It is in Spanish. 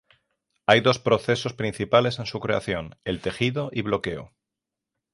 Hay dos procesos principales en su creación: el tejido y bloqueo.